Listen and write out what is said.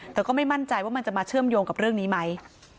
แต่ก็ไม่มั่นใจว่ามันจะมาเชื่อมโยงกับเรื่องนี้ไหม